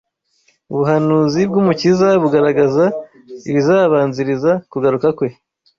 Ubuhanuzi bw’Umukiza bugaragaza ibizabanziriza kugaruka kwe